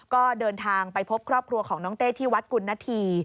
ก็เดินทางไปพบครอบครัวของน้องเต้ที่วัดกุณฑี